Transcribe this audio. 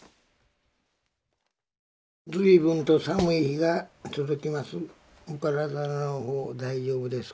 「ずいぶんと寒い日が続きます。